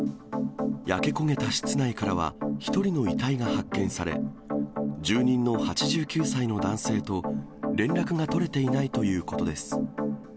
焼け焦げた室内からは１人の遺体が発見され、住人の８９歳の男性と連絡が取れていないということです。